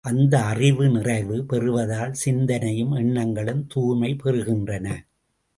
அந்த அறிவு நிறைவு பெறுவதால் சிந்தனையும், என்ணங்களும் தூய்மை பெறுகின்றன.